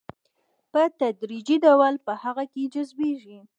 په تدريجي ډول په هغه کې جذبيږي.